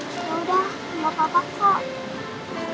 yaudah sama kakak kakak